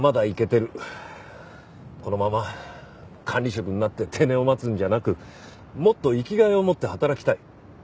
このまま管理職になって定年を待つんじゃなくもっと生きがいを持って働きたい。